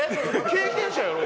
経験者やろ？